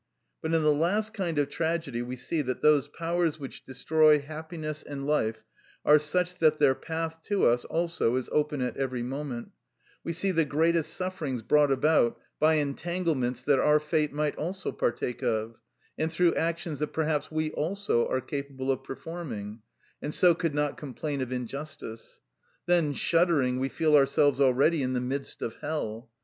But in the last kind of tragedy we see that those powers which destroy happiness and life are such that their path to us also is open at every moment; we see the greatest sufferings brought about by entanglements that our fate might also partake of, and through actions that perhaps we also are capable of performing, and so could not complain of injustice; then shuddering we feel ourselves already in the midst of hell.